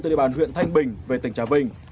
từ địa bàn huyện thanh bình về tỉnh trà vinh